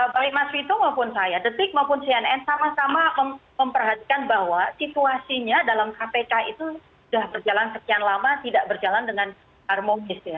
baik mas vito maupun saya detik maupun cnn sama sama memperhatikan bahwa situasinya dalam kpk itu sudah berjalan sekian lama tidak berjalan dengan harmonis ya